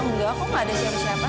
enggak kok gak ada siapa siapa